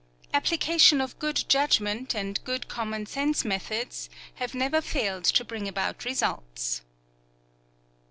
Application of good judgment and good common sense methods have never failed to bring about results.